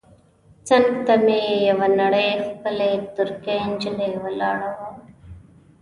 څنګ ته مې یوه نرۍ ښکلې ترکۍ نجلۍ ولاړه وه.